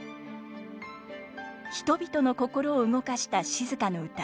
人々の心を動かした静の歌。